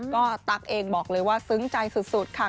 ก็ตั๊กเองบอกเลยว่าซึ้งใจสุดค่ะ